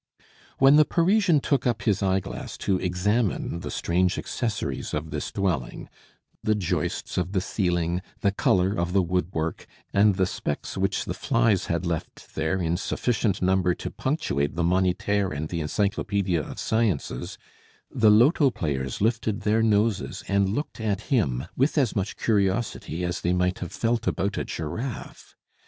When the Parisian took up his eye glass to examine the strange accessories of this dwelling, the joists of the ceiling, the color of the woodwork, and the specks which the flies had left there in sufficient number to punctuate the "Moniteur" and the "Encyclopaedia of Sciences," the loto players lifted their noses and looked at him with as much curiosity as they might have felt about a giraffe.